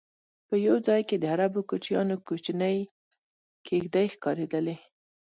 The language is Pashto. په یو ځای کې د عربو کوچیانو کوچنۍ کېږدی ښکارېدلې.